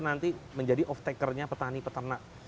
nanti menjadi off takernya petani peternak